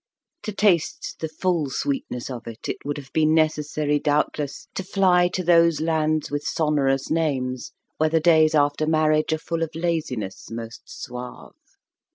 To taste the full sweetness of it, it would have been necessary doubtless to fly to those lands with sonorous names where the days after marriage are full of laziness most suave.